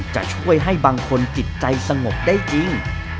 จะช่วยให้บางคนจิตใจสงบได้จริง